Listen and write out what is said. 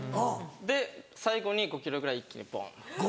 で最後に５ｋｇぐらい一気にボンっ。